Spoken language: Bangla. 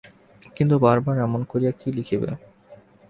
কিন্তু বার বার এমন কী করিয়া লিখিবে।